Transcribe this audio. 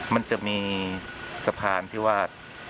มันจะมีสะพานที่วาด